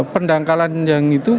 pendangkalan yang itu